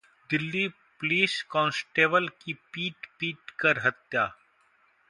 Delhi police constable की पीट-पीटकर हत्या